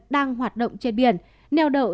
đang hoạt động trên biển nèo đậu